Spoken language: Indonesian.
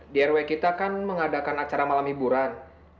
di rw kita kan mengadakan acara malam hiburan